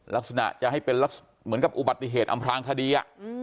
ลักษณะจะให้เป็นลักษณะเหมือนกับอุบัติเหตุอำพลางคดี